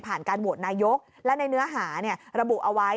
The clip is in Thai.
ผ่านการโหวตนายกและในเนื้อหาเนี้ยระบุเอาไว้